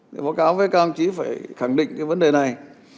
báo cáo với các ông chỉ phải khẳng định cái vấn đề này